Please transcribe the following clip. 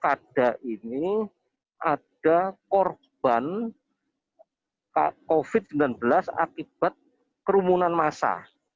kita ingin dalam pemilu kada ini ada korban covid sembilan belas akibat kerumunan masa